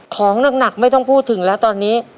ของหนักไม่ต้องพูดถึงแล้วตอนนี้